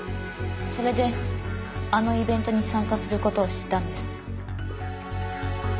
それであのイベントに参加する事を知ったんです。